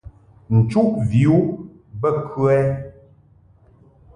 Nchuʼ vi u bə kə ɛ ?